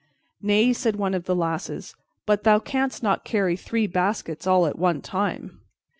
"Nay," said one of the lasses, "but thou canst not carry three baskets all at one time."